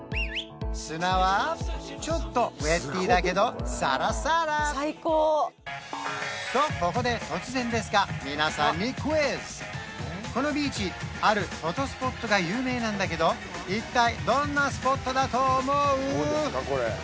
砂はちょっとウェッティだけどサラサラ！とここで突然ですが皆さんにクイズこのビーチあるフォトスポットが有名なんだけど一体どんなスポットだと思う？